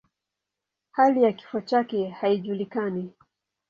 Hali ya kifo chake haijulikani.